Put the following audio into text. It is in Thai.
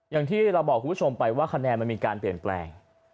อย่างที่เราบอกคุณผู้ชมไปว่าคะแนนมันมีการเปลี่ยนแปลง